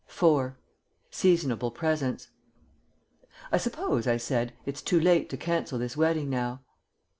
IV. SEASONABLE PRESENTS "I suppose," I said, "it's too late to cancel this wedding now?"